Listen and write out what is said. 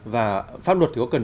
và pháp luật thì có cần